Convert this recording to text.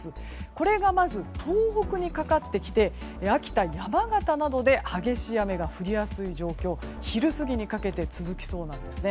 これがまず東北にかかってきて秋田、山形などで激しい雨が降りやすい状況が昼過ぎにかけて続きそうなんです。